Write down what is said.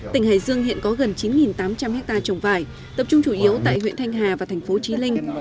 tỉnh hải dương hiện có gần chín tám trăm linh hectare trồng vải tập trung chủ yếu tại huyện thanh hà và thành phố trí linh